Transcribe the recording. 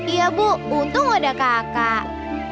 iya bu untung ada kakak